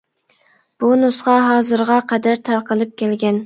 بۇ نۇسخا ھازىرغا قەدەر تارقىلىپ كەلگەن.